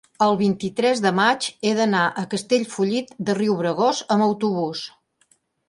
el vint-i-tres de maig he d'anar a Castellfollit de Riubregós amb autobús.